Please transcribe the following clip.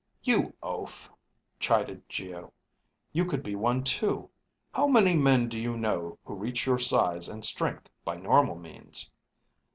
"You oaf," chided Geo, "you could be one too. How many men do you know who reach your size and strength by normal means?"